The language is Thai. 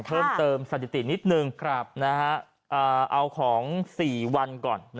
เพิ่มเติมสถิตินิดนึงเอาของ๔วันก่อน